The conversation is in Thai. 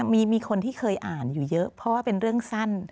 มีคนที่เคยอ่านอยู่เยอะเพราะว่าเป็นเรื่องสั้น